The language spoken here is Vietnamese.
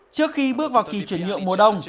trước khi bước vào kỳ chuyển nhượng mùa đông